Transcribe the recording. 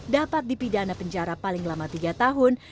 dapat dipidana penjara paling lama tiga tahun